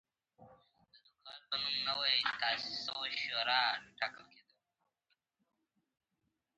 • صبر، چې په یوه خوندوره زمانه کې ژوند وکړئ.